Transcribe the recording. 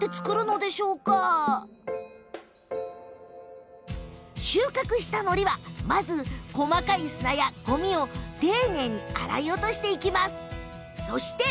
まず収穫したのりは、細かい砂やごみを丁寧に洗い落とします。